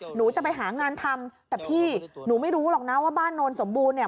หนูจะไปหางานทำแต่พี่หนูไม่รู้หรอกนะว่าบ้านโนนสมบูรณ์เนี่ย